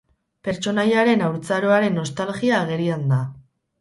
Pertsonaiaren haurtzaroaren nostalgia agerian da.